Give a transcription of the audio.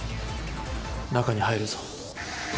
中に入るぞ。